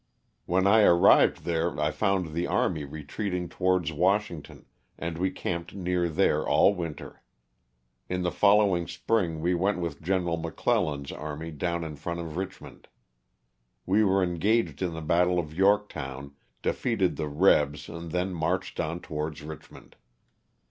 When I arrived there I found the army retreating towards Washington, and we camped near there all winter. In the following spring we went with Gen. McClellan's army down in front of Richmond. We were engaged in the battle of Yorktown, defeated the '^rebs," and then marched on towards Richmond.